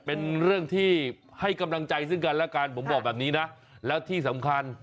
เป็นเรื่องที่ให้กำลังใจซึ่งกันแล้วกันผมบอกแบบนี้นะแล้วที่สำคัญ